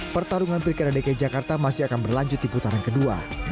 pertarungan pilkada dki jakarta masih akan berlanjut di putaran kedua